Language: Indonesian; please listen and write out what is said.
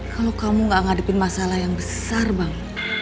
kalau kamu gak ngadepin masalah yang besar bang